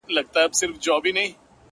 o نيت و مراد.